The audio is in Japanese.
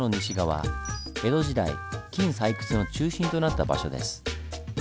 江戸時代金採掘の中心となった場所です。